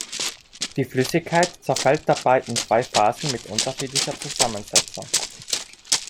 Die Flüssigkeit zerfällt dabei in zwei Phasen mit unterschiedlicher Zusammensetzung.